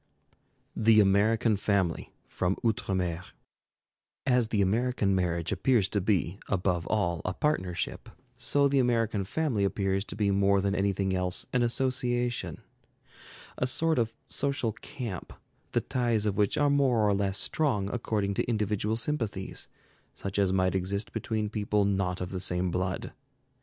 THE AMERICAN FAMILY From 'Outre Mer' As the American marriage appears to be above all a partnership, so the American family appears to be more than anything else an association, a sort of social camp, the ties of which are more or less strong according to individual sympathies, such as might exist between people not of the same blood.